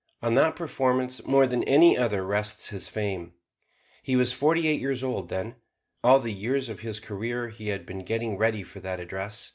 On that performance, more than any other, rests his fame. He was forty eight years old then. All the years of his career he had been getting ready for that address.